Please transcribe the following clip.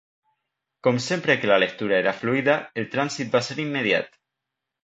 Com sempre que la lectura era fluïda, el trànsit va ser immediat.